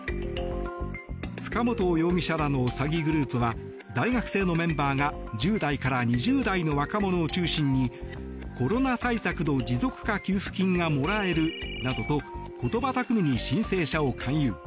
塚本容疑者らの詐欺グループは大学生のメンバーが１０代から２０代の若者を中心にコロナ対策の持続化給付金がもらえるなどと言葉巧みに申請者を勧誘。